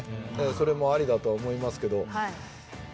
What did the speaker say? それもありだと思いますけど。